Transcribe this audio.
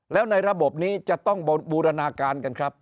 แล้วในระบบนี้จะต้องบูรณาการกันครับ